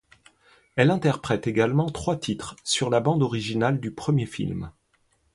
Elle interprète également trois titres sur la bande originale du premier film.